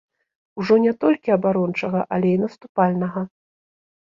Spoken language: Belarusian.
Ужо не толькі абарончага, але і наступальнага.